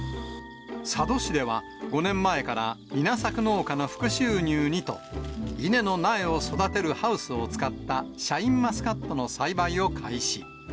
佐渡市では、５年前から稲作農家の副収入にと、稲の苗を育てるハウスを使ったシャインマスカットの栽培を開始。